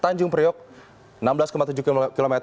tanjung priok enam belas tujuh km